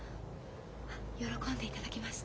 喜んでいただけまして。